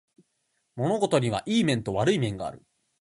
物事にはいい面と悪い面がある